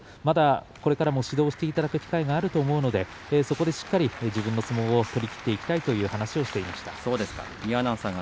これからも指導していただく機会があると思うのでしっかりと自分の相撲を取りきっていきたいということを話していました。